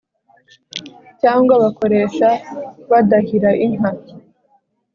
cyangwa bakoresha badahira inka